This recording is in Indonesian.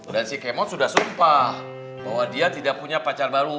dan si kemot sudah sumpah bahwa dia tidak punya pacar baru